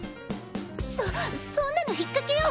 そそんなのひっかけよ！